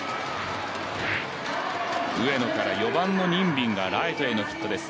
上野から４番の任敏がライトへのヒットです。